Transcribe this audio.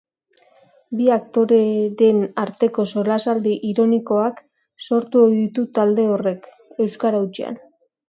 Bi aktoreren arteko solasaldi ironikoak sortu ohi ditu talde horrek, euskara hutsean.